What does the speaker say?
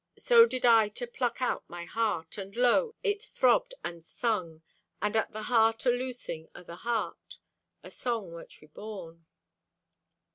So did I to pluck out my heart, And lo, it throbbed and sung, And at the hurt o' loosing o' the heart A song wert born.